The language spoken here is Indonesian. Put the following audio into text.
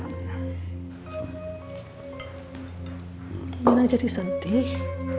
gimana jadi sedih